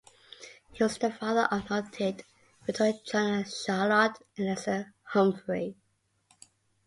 He was the father of the noted Victorian journalist Charlotte Eliza Humphry.